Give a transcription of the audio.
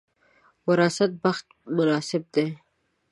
وراثت بخت مناسب دی.